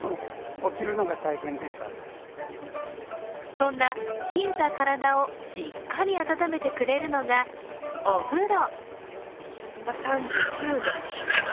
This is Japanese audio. そんな冷えた体をしっかり温めてくれるのが、お風呂。